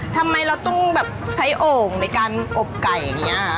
ทำไมเราต้องแบบใช้โอ่งในการอบไก่อย่างนี้ค่ะ